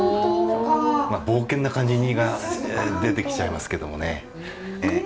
冒険な感じが出てきちゃいますけどもね。